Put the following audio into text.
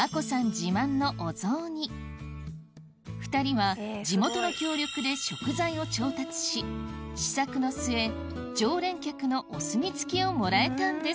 自慢のお雑煮２人は地元の協力で食材を調達し試作の末常連客のお墨付きをもらえたんです